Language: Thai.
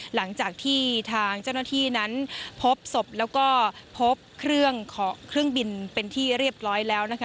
หลังจากที่ทางเจ้าหน้าที่นั้นพบศพแล้วก็พบเครื่องบินเป็นที่เรียบร้อยแล้วนะคะ